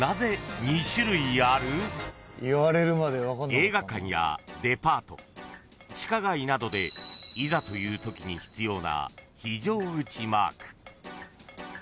［映画館やデパート地下街などでいざというときに必要な非常口マーク］